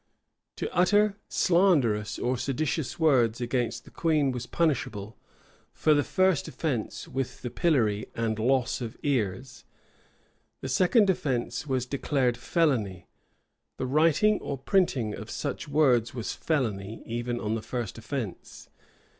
[] To utter slanderous or seditious words against the queen was punishable, for the first offence, with the pillory and loss of ears; the second offence was declared felony; the writing or printing of such words was felony, even on the first offence.